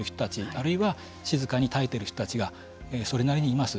あるいは静かに耐えている人たちがそれなりにいます。